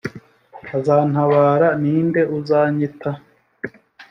azantabara ni nde uzanyita